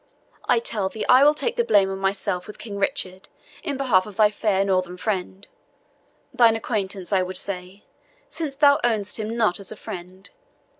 I tell thee I will take the blame on myself with King Richard in behalf of thy fair Northern friend thine acquaintance, I would say, since thou own'st him not as a friend.